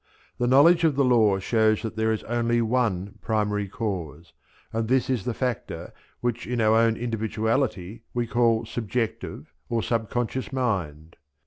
The knowledge of the law shows that there is only one primary cause, and this is the factor which in our own individuality we call subjective or sub conscious mind.